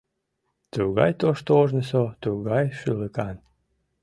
Тугай тошто, ожнысо, тугай шӱлыкан.